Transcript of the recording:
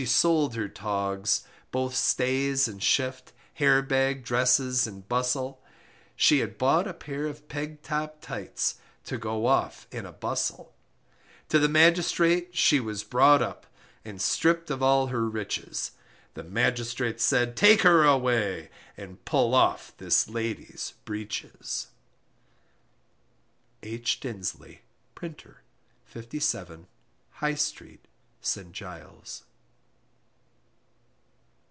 She sold her togs, both stays and shift, Hair bag, dresses, and bustle, She had bought a pair of pegtop tights, To go off in a bustle; To the Magistrate she was brought up, And stripped of all her riches, The Magistrate said, take her away, And pull off this lady's breeches. H. Disley, Printer, 57, High street, St. Giles.